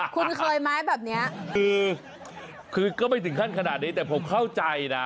คุณเคยไหมแบบนี้คือก็ไม่ถึงขั้นขนาดนี้แต่ผมเข้าใจนะ